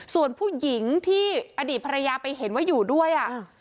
ส่วนผู้หญิงที่อดีตภรรยาไปเห็นว่าอยู่ด้วยอ่ะ